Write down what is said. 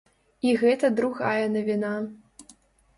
І гэта другая навіна.